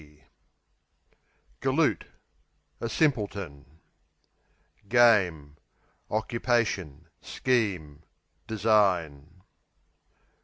Galoot A simpleton. Game Occupation; scheme; design.